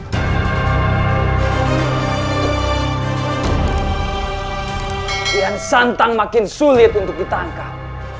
yang santang makin sulit untuk ditangkap